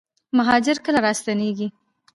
مهاجر کله راستنیږي؟